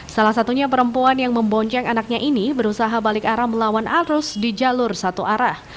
salah satunya perempuan yang membonceng anaknya ini berusaha balik arah melawan arus di jalur satu arah